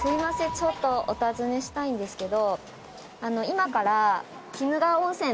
ちょっとお尋ねしたいんですけど。